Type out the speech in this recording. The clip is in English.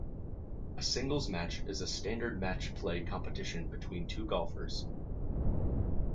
A singles match is a standard match play competition between two golfers.